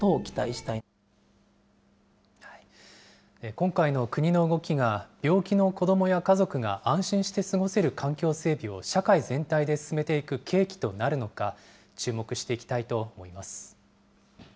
今回の国の動きが、病気の子どもや家族が安心して過ごせる環境整備を社会全体で進めていく契機となるのか、注目していきたいと思います。